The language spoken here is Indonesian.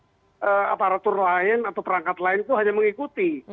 karena aparatur lain atau perangkat lain itu hanya mengikuti